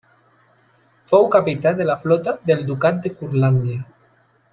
Fou capità de la flota del ducat de Curlàndia.